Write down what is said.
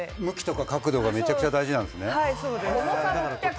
向きとか角度がめちゃくちゃ大事なんですね。